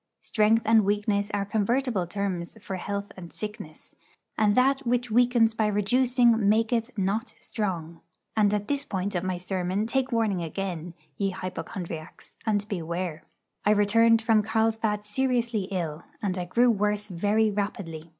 Strength and weakness are convertible terms for health and sickness; and that which weakens by reducing maketh not strong. And at this point of my sermon take warning again, ye hypochondriacs, and beware. I returned from Carlsbad seriously ill, and I grew worse very rapidly.